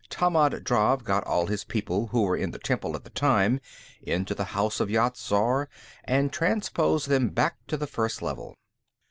Tammand Drav got all his people who were in the temple at the time into the House of Yat Zar and transposed them back to the First Level.